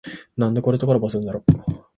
なんでこれとコラボすんだろ